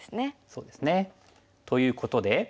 そうですね。ということで。